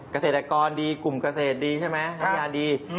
เกษตรกรดีกลุ่มเกษตรดีใช่ไหมสัญญาณดี